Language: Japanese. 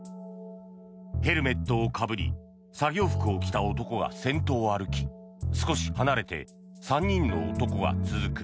ヘルメットをかぶり作業服を着た男が先頭を歩き少し離れて３人の男が続く。